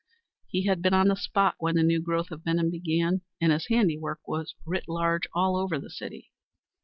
He had been on the spot when the new growth of Benham began, and his handiwork was writ large all over the city.